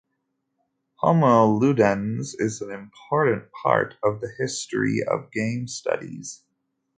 "Homo Ludens" is an important part of the history of game studies.